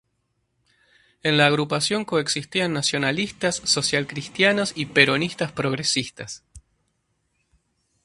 En la agrupación coexistían nacionalistas, socialcristianos y peronistas progresistas.